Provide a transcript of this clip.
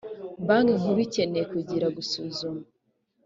banki nkuru ikeneye kugira gusuzuma.